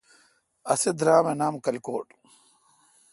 اسے درام اے° نام کلکوٹ۔